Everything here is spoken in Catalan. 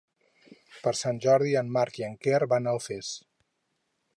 Per Sant Jordi en Marc i en Quer van a Alfés.